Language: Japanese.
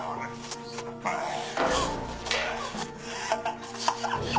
ハハハ。